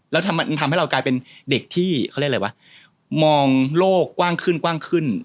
แล้วมันทำให้เรากลายเป็นเด็กที่เขาเรียกอะไรวะมองโลกกว้างขึ้นกว้างขึ้น